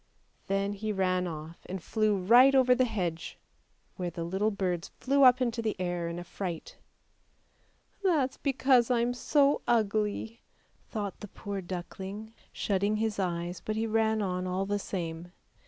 Then he ran off and flew right over the hedge, where the little birds flew up into the air in a fright. " That is because I am so ugly," thought the poor duckling, shutting his eyes, but he ran on all the same.